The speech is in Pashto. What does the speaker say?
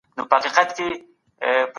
بې ګټي ارمانونه نه پالل کېږي.